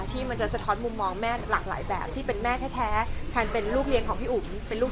ที่มันจะสะท้อนมุมมองแม่หลากหลายแบบที่เป็นแม่แท้แพนเป็นลูกเลี้ยงของพี่อุ๋มเป็นลูก